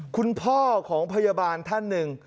คุณพ่อของพยาบาลท่านหนึ่ง